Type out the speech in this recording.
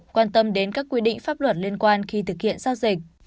quan tâm đến các quy định pháp luật liên quan khi thực hiện giao dịch